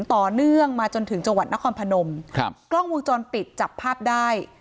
ต่อเนื่องมาจนถึงจังหวัดนครพนมครับกล้องวงจรปิดจับภาพได้